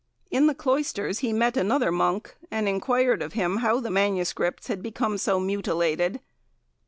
In the cloisters he met another monk, and enquired of him how the MSS. had become so mutilated.